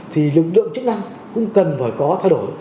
thì lực lượng chức năng cũng cần phải có thay đổi